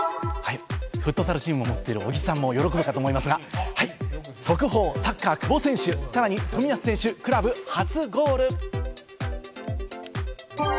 フットサルチームを持っている小木さんも喜ぶかと思いますが、速報、サッカー久保選手、さらに冨安選手、クラブ初ゴール。